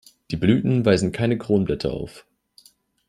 Die Blüten weisen keine Kronblätter auf.